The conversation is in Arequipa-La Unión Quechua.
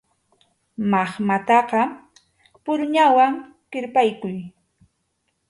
Maqmataqa puruñawan kirpaykuy.